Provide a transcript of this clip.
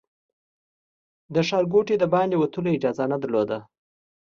له ښارګوټي د باندې وتلو اجازه نه درلوده.